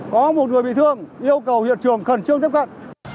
có một người bị thương yêu cầu hiện trường khẩn trương tiếp cận